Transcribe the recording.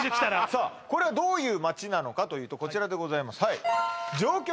さあこれはどういう街なのかというとこちらでございます